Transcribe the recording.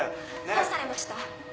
どうされました？